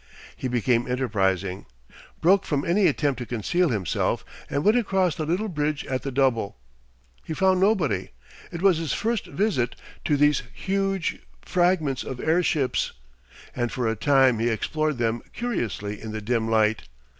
He became enterprising, broke from any attempt to conceal himself, and went across the little bridge at the double. He found nobody. It was his first visit to these huge fragments of airships, and for a time he explored them curiously in the dim light.